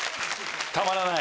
たまらない？